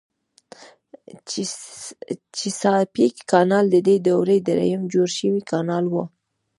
چیساپیک کانال ددې دورې دریم جوړ شوی کانال و.